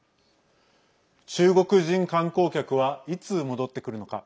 中国人観光客はいつ戻ってくるのか。